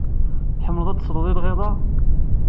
Tḥemmleḍ ad tesleḍ i lɣiḍa?